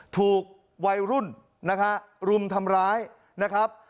ถูกวัยรุ่นนะฮะรุมทำร้ายนะครับ